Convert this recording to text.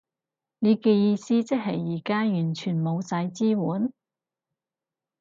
你嘅意思即係而家完全冇晒支援？